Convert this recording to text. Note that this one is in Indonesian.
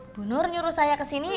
bunur nyuruh saya kesini